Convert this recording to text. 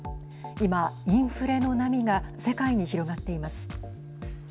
今、インフレの波が世界に広がっています。